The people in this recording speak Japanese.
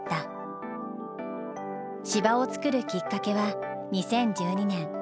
芝を作るきっかけは２０１２年。